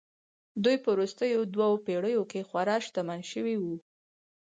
دوی په وروستیو دوو پېړیو کې خورا شتمن شوي وو